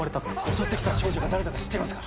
襲って来た少女が誰だか知っていますか？